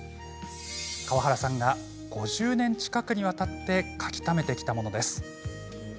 川原さんが５０年近くにわたって書きためてきたものです。